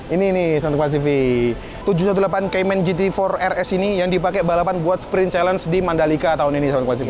ini nih satu kcv tujuh ratus delapan belas kmn gt empat rs ini yang dipakai balapan buat sprint challenge di mandalika tahun ini satu